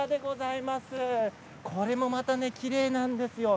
これも、またきれいなんですよ。